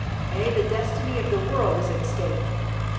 Aye, the destiny of the world is at stake.